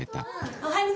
おはよう。